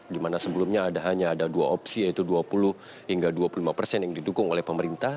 di mana sebelumnya hanya ada dua opsi yaitu dua puluh hingga dua puluh lima persen yang didukung oleh pemerintah